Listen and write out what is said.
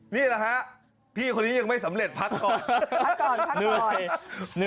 นี่แหละฮะพี่คนนี้ยังไม่สำเร็จพักก่อน